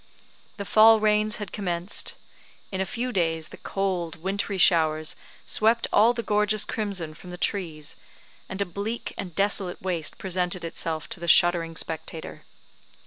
The fall rains had commenced. In a few days the cold wintry showers swept all the gorgeous crimson from the trees; and a bleak and desolate waste presented itself to the shuddering spectator.